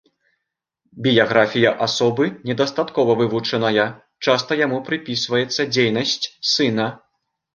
Біяграфія асобы недастаткова вывучаная, часта яму прыпісваецца дзейнасць сына.